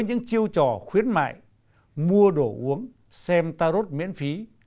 những chiêu trò khuyến mại mua đồ uống xem tarot miễn phí